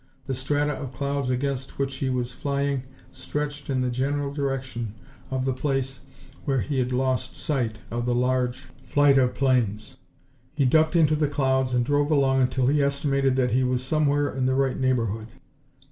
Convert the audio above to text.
The strata of clouds against which he was flying stretched in the general direction of the place where he had lost sight of the large flight of planes. He ducked into the clouds and drove along until he estimated that he was somewhere in the right neighborhood.